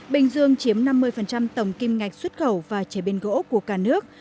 bình dương chiếm năm mươi tổng kim ngạch xuất khẩu và chế biến gỗ của cả nước